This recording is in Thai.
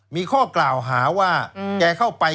โดย